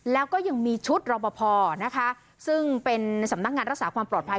แล้วก็ยังมีชุดรอปภนะคะซึ่งเป็นสำนักงานรักษาความปลอดภัย